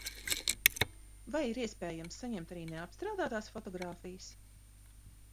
Vai ir iespējams saņemt arī neapstrādātās fotogrāfijas?